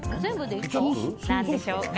何でしょうか。